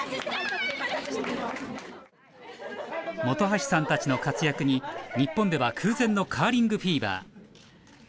本橋さんたちの活躍に日本では空前のカーリングフィーバー。